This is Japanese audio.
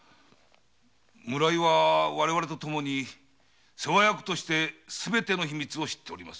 村井は我々とともに世話役としてすべての秘密を知っております。